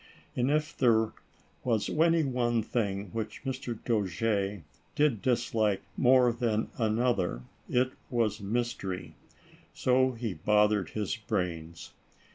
And if there was any one thing which Mr. Dojere did dislike more than another, it was mystery. So he both ered his brains.